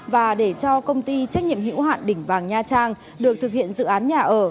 và để cho công ty trách nhiệm hữu hạn đỉnh vàng nha trang được thực hiện dự án nhà ở